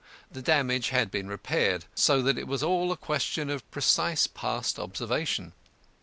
The damage had been repaired, so that it was all a question of precise past observation.